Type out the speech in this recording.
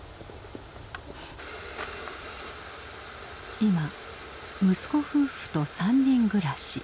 今息子夫婦と３人暮らし。